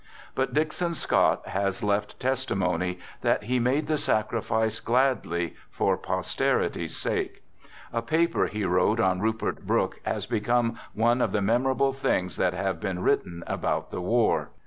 But Dixon Scott has left testimony that he made the sacrifice gladly, for posterity's sake. A paper he wrote on Rupert Brooke has become one of the memorable things that have been written about the war.